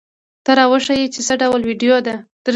ته را وښیه چې څه ډول ویډیو ده؟